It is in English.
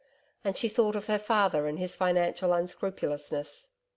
And she thought of her father and his financial unscrupulousness!